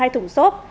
hai thủng xốp